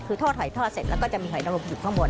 คือทอดหอยทอดเสร็จแล้วก็จะมีหอยนรมอยู่ข้างบน